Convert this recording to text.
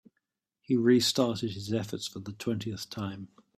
He restarted his efforts for the twentieth time.